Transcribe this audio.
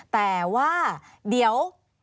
แต่ว่าเดี๋ยว